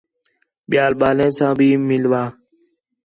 ٻِیال ٻالیں ساں بھی مِلوا